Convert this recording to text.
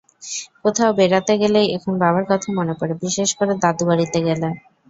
কোথাও বেড়াতে গেলেই এখন বাবার কথা মনে পড়ে, বিশেষ করে দাদুবাড়িতে গেলে।